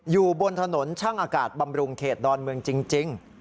อยู่บนถนนช่างอากาศบำรุงเขตดอนเมืองจริง